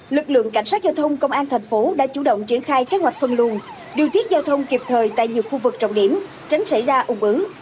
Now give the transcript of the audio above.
lực lượng cảnh sát giao thông công an thành phố đã chủ động triển khai kế hoạch phân luồn điều tiết giao thông kịp thời tại nhiều khu vực trọng điểm tránh xảy ra ủng ứng